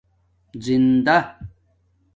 زندہ